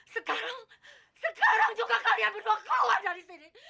sekarang sekarang juga kalian berdua keluar dari sini